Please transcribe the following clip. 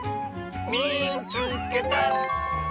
「みいつけた！」。